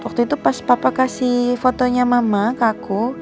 waktu itu pas papa kasih fotonya mama ke aku